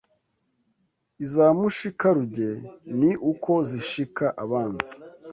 Iza Mushika-ruge ni uko zishika abanzi